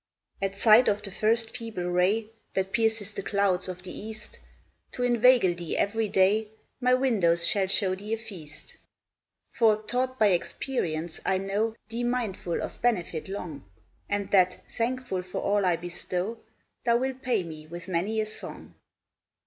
At sight of the first feeble ray, That pierces the clouds of the east, To inveigle thee every day My windows shall show thee a feast. For, taught by experience, I know Thee mindful of benefit long; And that, thankful for all I bestow, Thou wilt pay me with many a song.